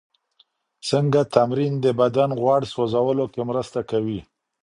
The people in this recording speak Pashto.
څنګه تمرین د بدن غوړ سوځولو کې مرسته کوي؟